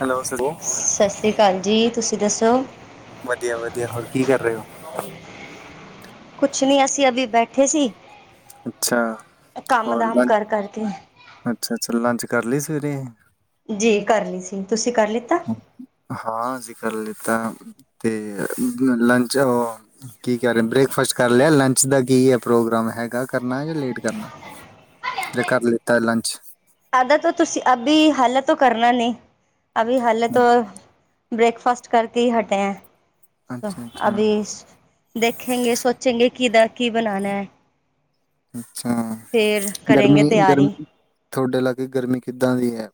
Hello sir. Sat Sri ਅਕਾਲ ਜੀ। ਤੁਸੀ ਦੱਸੋ ਵਧੀਆ- ਵਧੀਆ ਹੋਰ ਕੀ ਕਰ ਰਹੇ ਹੋ। ਕੁਛ ਨੀ ਅਸੀਂ ਹੁਣ ਬੈਠੇ ਸੀ। ਅੱਛਾ। ਕੰਮ ਹੋਰ ਦਾਮ ਲੰਚ ਕਰ ਕਰਕੇ ਅੱਛਾ- ਅੱਛਾ ਲੰਚ ਕਰ ਲਈ ਸਵੇਰੇ। ਜੀ ਕਰ ਲਈ ਸੀ ਤੁਸੀ ਹਾਂ। ਅਸੀਂ ਕਰ ਲਿਤਾ ਤੇ ਲੰਚ ਕੀ ਕਰ ਰਹੇ ਬ੍ਰੇਕਫਾਸਟ ਕਰ ਲਿਆ ਲੰਚ ਦਾ ਕੀ ਆ ਪ੍ਰੋਗਰਾਮ ਹੈਗਾ ਕਰਨਾ ਯ ਲੇਟ ਕਰਨਾ ਕਰ ਲਿਤਾ ਲੰਚ। ਅੱਧ ਤਾਂ ਤੁਸੀਂ ਅਭੀ ਹਾਲਾ ਤੋਂ ਕਰਨਾ ਨਹੀਂ ਅਭੀ ਹਾਲੇ ਤੋਂ ਬ੍ਰੇਕਫਾਸਟ ਕਰਕੇ ਹੀ ਹਟੇ ਹੈਂ। ਅੱਛਾ ਅੱਛਾ ਅਭੀ ਦੇਖੇਗੇ ਸੋਚੇਗੇ ਕਿਦਾਂ ਕੀ ਬਨਾਨਾ ਹੈ, ਅੱਛਾ ਫਿਰ ਕਰੇਗੇ ਗਰਮੀ ਤਿਆਰੀ। ਗਰਮੀ ਤੁਹਾਡੇ ਲਾਗੇ ਗਰਮੀ ਕਿੱਦਾਂ ਦੀ ਹੈ।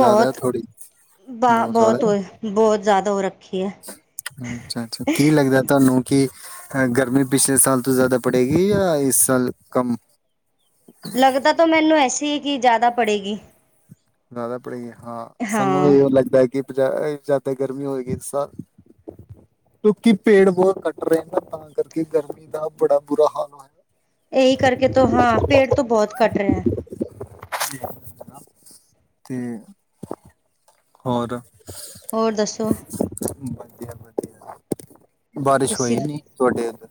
ਜ਼ਿਆਦਾ ਥੋੜ੍ਹੀ ਬ ਬਹੁਤ ਔ ਬਹੁਤ ਜ਼ਿਆਦਾ ਹੋ ਰੱਖ ਅੱਛਾ ਅੱਛਾ ਕੀ ਲੱਗਦਾ ਤੁਹਾਨੂੰ ਕਿ ਗਰਮੀ ਪਿਛਲੇ ਸਾਲ ਤੋਂ ਜ਼ਿਆਦਾ ਪੜੇਗੀ ਯਾ ਇਸ ਸਾਲ ਕਮ। ਲੱਗਦਾ ਤਾਂ ਮੈਨੂੰ ਐਸੀ ਕੀ ਜ਼ਿਆਦਾ ਪੜੇਗੀ। ਜ਼ਿਆਦਾ ਪੜੇਗੀ ਹਾਂ, ਸਾਨੂੰ ਇਹ ਲੱਗਦਾ ਹੈ ਕਿ ਜ਼ਿਆਦਾ ਗਰਮੀ ਹੋਏਗੀ ਇਸ ਸਾਲ ਕਿਉਂਕਿ ਪੇੜ ਬਹੁਤ ਕੱਟ ਰਹੇ ਨੇ ਤਾਂ ਕਰਕੇ ਗਰਮੀ ਦਾ ਬੜਾ ਬੁਰਾ ਹਾਲ ਹੋਇ ਇਹੀ ਕਰਕੇ ਤੋ ਹਾਂ, ਪੇੜ ਤੋਂ ਬਹੁਤ ਕੱਟ ਰਹੇ ਹੈ। [unintelligible] ਤੇ ਹੋਰ ਹੋਰ ਦੱਸੋ। ਵਧੀਆ ਵਧੀਆ ਬਾਰਿਸ਼ ਤੁਸੀਂ ਹੋਈ ਨੀ, ਤੁਹਾਡੇ ਇਧਰ?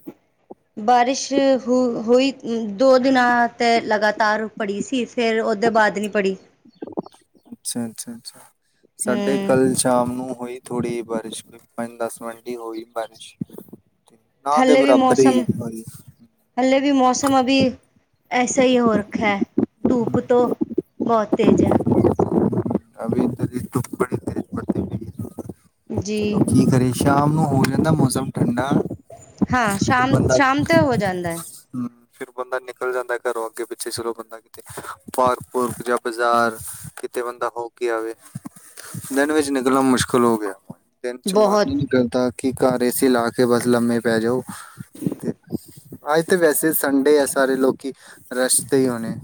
ਬਾਰਿਸ਼ ਹ ਹੋਈ ਦੋ ਦਿਨਾਂ ਤੇ ਲਗਾਤਾਰ ਪੜੀ ਸੀ। ਫਿਰ ਉਹਦੇ ਬਾਅਦ ਨਹੀਂ ਪੜੀ ਅੱਛਾ ਅੱਛਾ ਅੱਛਾ ਸਾਡੇ ਹੂੰ ਕੱਲ ਸ਼ਾਮ ਨੂੰ ਹੋਈ ਥੋੜੀ ਬਾਰਿਸ਼ ਹੋਈ, ਪੰਜ ਦਸ ਮਿੰਟ ਹੋਈ ਬਾਰਿਸ਼। ਨਾ ਦੇ ਹਲੇ ਵੀ ਬਰਾਬਰ ਮੌਸਮ ਹੋਈ ਹਲੇ ਵੀ ਮੌਸਮ ਅਭੀ ਐਸਾ ਹੀ ਹੋਰਖਾ ਹੈ, ਧੂਪ ਤੋਂ ਬਹੁਤ ਤੇਜ਼ ਹੈ। [unintelligible] ਜੀ ਕੀ ਕਰੇ ਸ਼ਾਮ ਨੂੰ ਹੋ ਜਾਂਦਾ ਮੌਸਮ ਠੰਡਾ। ਹਾਂ ਸ਼ਾਮ ਬੰਦਾ ਸ਼ਾਮ ਤੇ ਹੋ ਜਾਂਦਾ ਹੈ। ਹਮ ਫਿਰ ਬੰਦਾ ਨਿਕਲ ਜਾਂਦਾ ਘਰੋਂ ਅੱਗੇ ਪਿੱਛੇ ਚਲੋ ਬੰਦਾ ਕਿਤੇ ਪਾਰਕ ਪੂਰਕ ਜਾਂ ਬਾਜ਼ਾਰ ਕਿਤੇ ਬੰਦਾ ਹੋ ਕੇ ਆਵੇ ਦਿਨ ਵਿੱਚ ਨਿਕਲਣਾ ਮੁਸ਼ਕਿਲ ਹੋ ਗਿਆ ਹੇ। ਦਿਨ ਚ ਮਨ ਹੀ ਬਹੁਤ ਨੀ ਕਰਦਾ ਕੀ ਘਰ ਏ ਸੀ ਲਾ ਕੇ ਬਸ ਲੰਮੇ ਪੈ ਜਾਓ। ਤੇ ਆ ਤੇ ਵੈਸੇ ਸੰਡੇ ਹੈ ਸਾਰੇ ਲੋਕੀ ਰੇਸ ਤੇ ਹੀ ਹੋਣੇ।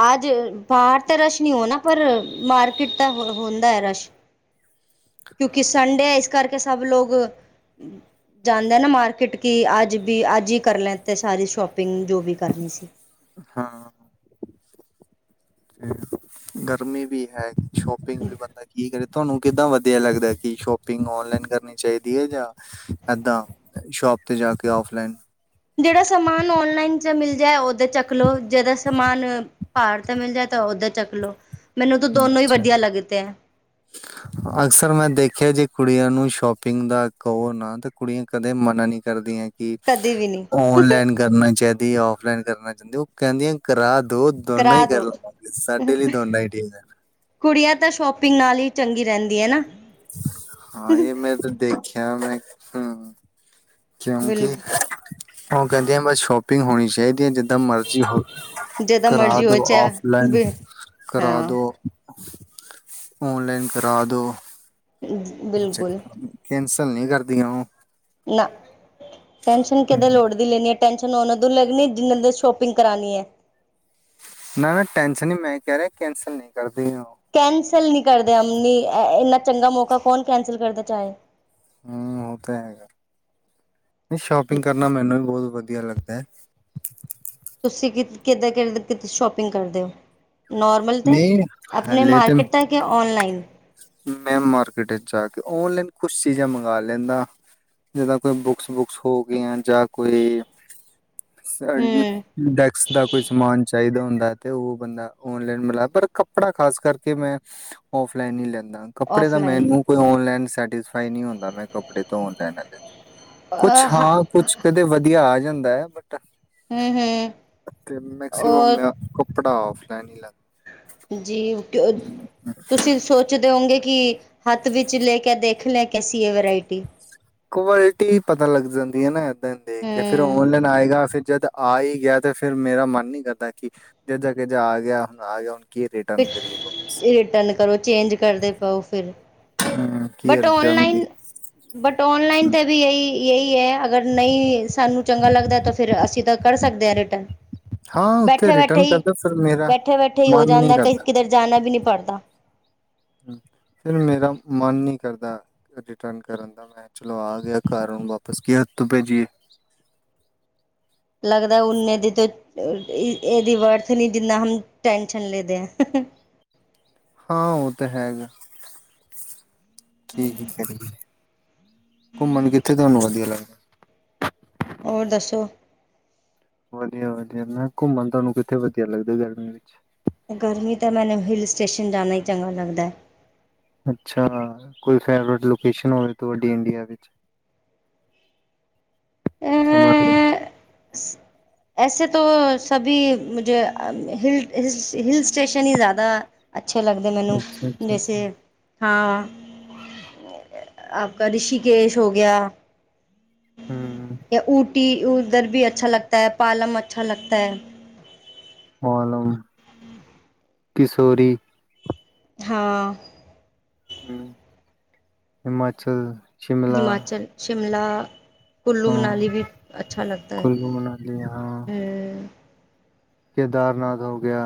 ਅੱਜ ਬਾਹਰ ਤਾਂ ਰਸ਼ ਨਹੀਂ ਹੋਣਾ ਪਰ ਮਾਰਕੀਟ ਤਾਂ ਹੁੰਦਾ ਹੈ ਰਸ਼। ਹਾਂ ਕਿਉਂਕਿ ਸੰਡੇ ਐ ਇਸ ਕਰ ਕਿ ਸਭ ਲੋਕ ਜਾਂਦੇ ਨਾ ਮਾਰਕੀਟ ਕੀ ਅੱਜ ਭੀ ਅੱਜ ਹੀ ਕਰ ਲੈ ਤੇ ਸਾਰੀ ਸ਼ੋਪਿੰ ਪਿੰਗ ਜੋ ਵੀ ਕਰਨੀ ਸੀ। ਹਾਂ ਗਰਮੀ ਵੀ ਹੈ ਸ਼ੋਪਿੰਗ ਵੀ ਬੰਦਾ ਕੀ ਕਰੇ? ਤੁਹਾਨੂੰ ਕਿੱਦਾਂ ਵਧੀਆ ਲੱਗਦਾ ਐ ਕਿ ਸ਼ੋਪਿੰਗ ਔਨਲਾਈਨ ਕਰਨੀ ਚਾਹੀਦੀ ਹੈ ਜਾਂ ਏਦਾਂ ਸ਼ੋਪ ਤੇ ਜਾ ਕੇ ਔਫਲਾਈਨ। ਜਿਹੜਾ ਸਮਾਨ ਓਨਲਾਈਨ ਚ ਮਿਲ ਜਾਏ ਉਦ ਚੱਕ ਲੋ ਜਿਹਦਾ ਸਮਾਨ ਭਾਰ ਤੇ ਮਿਲ ਜਾਏ ਤਾਂ ਉਦਾਂ ਚੱਕ ਲੋ। ਮੈਨੂੰ ਤਾਂ ਦੋਨੋ ਹੀ ਅਛਾ। ਵਧੀਆ ਲੱਗਤੇ ਹੈ ਅਕਸਰ ਮੈਂ ਦੇਖਿਆ ਜੀ। ਕੁੜੀਆਂ ਨੂੰ ਸ਼ੋਪਿੰਗ ਦਾ ਕਵੋ ਨਾ ਤੇ ਕੁੜੀਆਂ ਕਦੇ ਮਨਾ ਨੀ ਕਰਦੀਆਂ। ਕਿ ਕਦੇ ਵੀ ਨਹੀਂ ਔਨਲਾਈਨ ਕਰਨਾ ਚਾਹੀ ਆਫਲਾਈਨ ਕਰਨਾ ਚਾਹਂਦੀ ਉਹ ਕਹਿੰਦੀਆਂ ਕਰਾ ਦੋ ਦੋਨਾਂ ਕਰਾ ਹੀ ਕਰ ਦੋ ਲਵਾਂਗੇ ਸਾਡੇ ਲਈ ਦੋਨਾਂ ਹੀ ਠੀਕ ਹੈ ਕੁੜੀਆਂ ਤਾਂ ਸ਼ੋਪਿੰਗ ਨਾਲ ਹੀ ਚੰਗੀ ਰਹਿੰਦੀ ਹੈ ਨਾ। ਹਾਂ ਇਹ ਮੈਂ ਤੇ ਦੇਖ ਕ ਮੈਂ ਹਂ ਬਿਲ ਕਿਉਂਕਿ ਉਹ ਕਹਿੰਦੇ ਆ ਬਸ ਸ਼ੋਪਿੰਗ ਹੋਣੀ ਚਾਹੀਦੀ ਹੈ ਜਿਦ ਜਦਾਂ ਮਰਜ਼ੀ ਹੋਵੇ ਜਿਦਾ ਕਰਾ ਮਰਜ਼ੀ ਹੋਏ ਦੋ ਆਫਲਾਈਨ ਚਾਹੇ ਕਰਾ ਹਾਂ ਦੋ। ਔਨਲਾਈਨ ਕਰਾ ਦੋ। ਬਿਲਕੁਲ। ਗੱਲ ਨੀ ਕਰਦੀਆਂ ਉਹ। ਨਾ ਟੈਨਸ਼ਨ ਕਿਤੇ ਲੋੜਦੀ ਲੈਣੀ ਆ। ਟੈਂਸ਼ਨ ਉਹਨਾਂ ਤੋਂ ਲੱਗਣੀ ਜਿਨਾਂ ਨੇ ਸ਼ੋਪਿੰਗ ਕਰਾਨੀ ਹੈ। ਨਾ ਨਾ ਟੈਂਸ਼ਨ ਹੀ ਮੈਂ ਕਹਿ ਰਿਹਾ ਕੈਂਸਲ ਨਹੀਂ ਕਰ ਕੈਂਸਲ ਨਹੀ ਕਰਦੇ ਅ ਨੀ ਇੰਨਾ ਚੰਗਾ ਮੌਕਾ ਕੌਣ ਕੈਂਸਲ ਕਰਦਾ ਚਾਹੇ। ਹਮ ਓ ਤਾਂ ਹੈਗਾ। ਸ਼ੋਪਿੰਗ ਕਰਨਾ ਮੈਨੂੰ ਵੀ ਬਹੁਤ ਵਧ ਵਧੀਆ ਲੱਗਦਾ ਹੈ। ਤੁਸੀਂ ਕਿ ਕਿੱਧਾਂ ਕਿੱ ਕਿ ਸ਼ੋਪਿੰਗ ਕਰਦੇ ਹੋ? ਨੋਰਮਲ ਤਾਂ ਨਹੀਂ ਆਪਣੇ ਹਲੇ ਤੇ ਮਾਰਕੀਟ ਤੱਕ ਜਾਂ ਔਨਲਾਈਨ। ਮੈਂ ਮਾਰਕੀਟ ਵਿੱਚ ਜਾ ਕੇ ਔਨਲਾਈਨ ਕੁਛ ਚੀਜ਼ਾਂ ਮੰਗਵਾ ਲੈਂਦਾ ਜਿੱਦਾਂ ਕੋਈ ਬੁੱਕਸ ਬੁੱਕਸ ਹੋ ਗਈਆਂ। ਜਾਂ ਕੋਈ ਸ ਹੂੰ ਡੈਕਸ ਦਾ ਕੋਈ ਸਮਾਨ ਚਾਹੀਦਾ ਹੁੰਦਾ। ਮੈਂ ਤੇ ਉਹ ਬੰਦਾ ਔਨਲਾਈਨ ਮਲਾ ਪਰ ਕੱਪੜਾ ਖਾਸ ਕਰਕੇ ਮੈਂ ਔਫਲਾਈਨ ਹੀ ਲੈਂਦਾ ਕੱਪੜੇ ਦਾ ਔਫਲਾਈਨ ਮੈਨੂੰ ਕੋਈ ਆਨਲਾਈਨ ਸੈਟਿਸਫਾਈ ਨੀ ਹੁੰਦਾ ਮੈਂ ਕਪੜੇ ਧੋ ਆਨਲਾਈਨ ਲੈਣਾ ਕੁਛ ਹਾਂ ਕੁਛ ਕਦੇ ਵਧੀਆ ਆਏ ਹੂੰ ਹੂੰ [unintelligible] [unintelligible] ਮੈਕਸੀਮਮ ਔਰ ਮੈ ਓ [inaudible] ਜੀ ਓਕੇ ਤੁਸੀਂ ਸੋਚਦੇ ਹੋਵੋਗੇ। ਕਿ ਹੱਥ ਵਿੱਚ ਲੈ ਕੇ ਦੇਖਲੇ ਕੈਸੀ ਇਹ ਵਰਾਇਟੀ ਕੁਆਲਿਟੀ ਪਤਾ ਲੱਗ ਜਾਂਦੀ ਏ ਨਾ। ਦੇਖ ਕੇ ਫਿਰ ਹੂੰ ਔਨਲਾਈਨ ਆਏਗਾ ਫਿਰ ਜਦ ਆਈ ਗਿਆ ਤੇ ਫੇਰ ਮੇਰਾ ਮਨ ਨਹੀਂ ਕਰਦਾ ਕਿ ਜਿੱਦਾਂ-ਕਿਦਾ ਆ ਗਿਆ ਹੁਣ ਆ ਗਿਆ ਹੁਣ। ਕੀ ਰਿਟਰਨ ਕਰੀਏ ਵਾਪਸ ਰਿਟਨ ਕਰੋ ਚੇਂਜ ਕਰਦੇ ਪਾਓ ਫਿਰ ਹਮ, ਕੀ ਬਟ ਰਿਟਰਨ ਦੀ ਔਨਲਾਈਨ-ਬਟ ਔਨਲਾਈਨ ਤੇ ਵੀ ਏਹੀ ਇਹੀ ਹੈ। ਅਗਰ ਨਹੀਂ ਸਾਨੂੰ ਚੰਗਾ ਲੱਗਦਾ ਤਾਂ ਫਿਰ ਅਸੀਂ ਤਾਂ ਕਰ ਸਕਦੇ ਆਂ ਰਿਟਨ। ਹਾਂ ਉੱਥੇ ਬੈਠੇ-ਬੈਠੇ ਰਿਟਰਨ ਈ, ਕਰਦਾ ਫਿਰ ਮੇਰਾ ਬੈਠੇ-ਬੈਠੇ ਈ ਹੋ ਮਨ ਨਹੀਂ ਜਾਂਦਾ ਕਰਦਾ ਕਿਧਰ ਜਾਨਾ ਵੀ ਨਹੀ ਪੜਤਾ। ਹੂੰ, ਫਿਰ ਮੇਰਾ ਮਨ ਨਹੀਂ ਕਰਦਾ ਰਿਟਨ ਕਰਨ ਦਾ, ਮੈਂ ਚਲੋ ਆ ਗਿਆ ਘਰ ਹੁਨ ਵਾਪਸ ਕਯਾ ਤੋਂ ਭੇਜੀਏ। ਲੱਗਦਾ ਓਨੇ ਦੀ ਤੇ ਇਹਦੀ ਵਰਥ ਨਹੀਂ ਜਿੰਨਾ ਹਮ ਟੈਂਸ਼ਨ ਲੈਦੇ ਏ ਹਾਂ ਉਹ ਤਾਂ ਹੈਗਾ, ਘੁੰਮਨ [unintelligible] ਘੁੰਮਨ ਕਿੱਥੇ ਤੁਹਾਨੂੰ ਵਧੀਆ ਲੱਗਦਾ? ਹੋਰ ਦੱਸੋ। ਵਧੀਆ-ਵਧੀਆ, ਮੈਂ ਘੁੰਮਨ ਤੁਹਾਨੂੰ ਕਿੱਥੇ ਵਧੀਆ ਲੱਗਦਾ ਗਰਮੀ ਵਿੱਚ? ਗਰਮੀ ਤਾ ਮੈਨੂੰ ਹਿਲ ਸਟੇਸ਼ਨ ਜਾਨਾ ਈ ਚੰਗਾ ਲੱਗਦਾ ਐ। ਅੱਛਾ! ਕੋਈ ਫ਼ੇਵਰੇਟ ਲੋਕੇਸ਼ਨ ਹੋਵੇ ਤੁਹਡੀ ਇੰਡੀਆ ਵਿੱਚ? [unintelligible] [unintelligible] ਅੱਛੇ ਲੱਗਦਾ ਮੈਨੂੰ ਅੱਛਾ ਅੱਛਾ ਜੈਸੇ। ਅੱਛਾ [unintelligible] ਹੂੰ ਤੇ ਊਟੀ ਉਧਰ ਵੀ ਅੱਛਾ ਲਗਤਾ ਹੈ ਪਾਲਮ ਅੱਛਾ ਲਗਤਾ ਹੈ। ਪਾਲਮ ਕਿਸ਼ੋਰੀ ਹਾਂ- ਹਮ ਹਿਮਾਚਲ ਸ਼ਿਮਲਾ ਹਿਮਾਚਲ [unintelligible] ਕੁੱਲੂ ਹਾਂ ਮਨਾਲੀ ਵੀ ਅੱਛਾ ਲੱਗਤਾ ਕੁੱਲੂ ਮਨਾਲੀ ਹਾਂ ਹੈ ਹ ਕੇਦਾਰਨਾਥ ਹੋ ਗਿਆ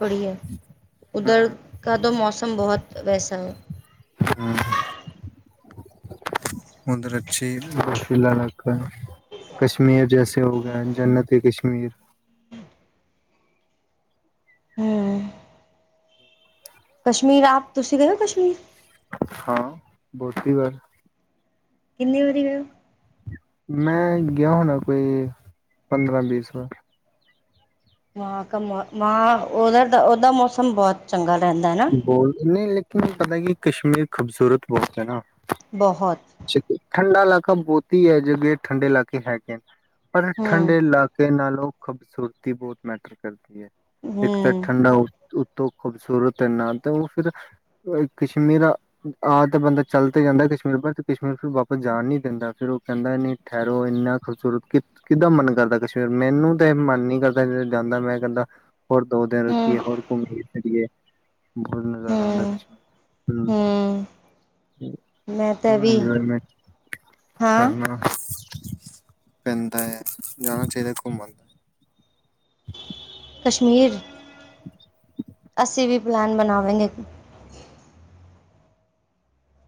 ਬੜਿਯਾ। ਉਧਰ ਹੂੰ ਕਾ ਤੋਂ ਮੌਸਮ ਬਹੁਤ ਵੈਸਾ ਹੂੰ ਉਧਰ ਅੱਛੀ ਬਰਫੀਲਾ ਇਲਾਕਾ ਹੇ ਕਸ਼ਮੀਰ ਜੈਸੇ ਹੋ ਗਏ ਹੈਂ, ਜਨਤ ਹੇ ਕਸ਼ਮੀਰ। ਹੂੰ ਕਸ਼ਮੀਰ ਆਪ ਤੁਸੀਂ ਗਏ ਹੋ ਕਸ਼ਮੀਰ। ਹਾਂ ਬਹੁਤ ਹੀ ਵਾਰ। ਕਿੰਨੇ ਵਰੀ ਗਏ ਹੋ। ਮੈਂ ਗਿਆ ਹੋਣਾ ਕੋਈ ਪੰਦਰਾਂ ਵੀਸ ਵਾਰ। ਵਹਾਂ ਕਾ ਵਹਾਂ ਉਧਾ ਦਾ ਦਾ ਮੌਸਮ ਬਹੁਤ ਚੰਗਾ ਰਹਿੰਦਾ ਹੈ ਨਾ ਬੋਲ ਨਹੀਂ ਲੇਕਿਨ ਪਤਾ ਕਿ ਕਸ਼ਮੀਰ ਖੂਬਸੂਰਤ ਬਹੁਤ ਹੈ ਨਾ। ਬਹੁਤ ਠੰਡਾ ੲਲਾ ਬਹੁਤੀ ਹੈ ਜਗੇ ਠੰਡੇ ਇਲਾਕੇ ਹੈਗੇ ਪਰ ਹਮ ਠੰਡੇ ਇਲਾਕੇ ਨਾਲ ਲੋ ਖੂਬਸੂਰਤੀ ਬਹੁਤ ਮੈਟਰ ਕਰਦੀ ਹੈ। ਇੱਕ ਤਾਂ ਹਮ ਠੰਡਾ ਹੋ-' ਉੱਤੋਂ ਖੂਬਸੂਰਤ, ਨਾਲ ਤੇ ਉਹ ਫਿਰ ਕਸ਼ਮੀਰ ਆ ਤੇ ਬੰਦਾ ਚੱਲ ਤੇ ਜਾਂਦਾ ਕਸ਼ਮੀਰ ਪਰ ਕਸ਼ਮੀਰ ਫਿਰ ਵਾਪਸ ਜਾਣ ਨੀ ਦਿੰਦਾ ਫਿਰ ਉਹ ਕਹਿੰਦਾ ਨ ਠਹਿਰੋ ਇੰਨਾ ਖੂਬਸੂਰਤ ਕਿ ਕਿੱਦਾਂ ਮਨ ਕਰਦਾ ਕਸ਼ਮੀਰ ਮੈਨੂੰ ਤੇ ਮਨ ਨੀ ਕਰਦਾ ਜਾਂਦਾ ਮੈਂ ਕਹਿੰਦਾ ਹੋਰ ਦੋ ਦੀਨ ਰੋਕਿਆ, ਹਮ ਹੋਰ ਘੁੰਮ ਫਿਰ ਲਈਏ। ਬਹੁਤ ਨਜ਼ਾਰਾ ਆਉਂਦਾ ਹਮ ਕਸ਼ਮੀਰ ਹੂੰ ਮੈਂ ਤਾਂ ਫੂਲ ਵੀ ਇਨਜੋਏਮੈਂਟ ਹਾਂ ਕਰਨਾ। ਪੈਂਦਾ ਹੈ ਜਾਣਾ ਚਾਹੀਦਾ ਹੈ ਘੁਮਣ। ਕਸ਼ਮੀਰ ਅਸੀਂ ਵੀ ਪਲੈਨ ਬਣਾਵੇਗੇ।